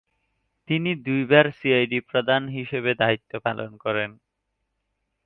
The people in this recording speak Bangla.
তিনি দুইবার সিআইডি প্রধান হিসেবে দায়িত্ব পালন করেন।